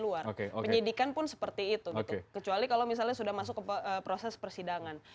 luar oke oke di kan pun seperti itu oke kecuali kalau misalnya sudah masuk ke proses persidangan